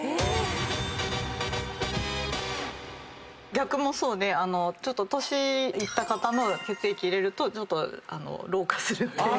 逆もそうで年いった方の血液入れるとちょっと老化するっていう。